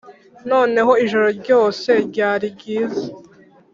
noneho ijoro ryose, ryari ryiza